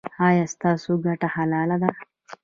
ایا ستاسو ګټه حلاله ده؟